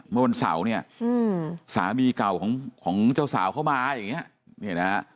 เมื่อวันเสาร์เนี่ยสามีเก่าของเจ้าสาวเข้ามาอย่างนี้เนี่ยนะฮะ